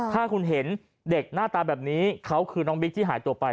ถ้าคุณเห็นเด็กหน้าตาแบบนี้เขาคือน้องบิ๊กที่หายตัวไป